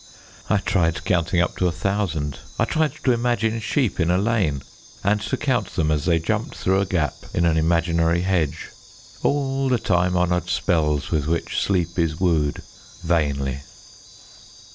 I tried counting up to a thousand. I tried to imagine sheep in a lane, and to count them as they jumped through a gap in an imaginary hedge all the time honoured spells with which sleep is wooed vainly.